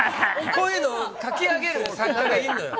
こういうのを書き上げる作家がいるのよ。